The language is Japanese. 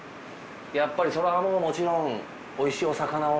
やっぱりそらもうもちろんおいしいお魚を。